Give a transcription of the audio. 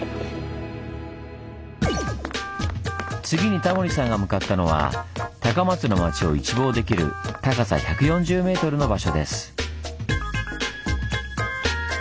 次にタモリさんが向かったのは高松の町を一望できる高さ１４０ｍの場所です。